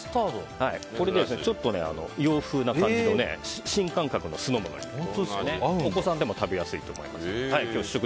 これでちょっと洋風な感じの新感覚の酢の物になりますからお子さんでも食べやすいと思います。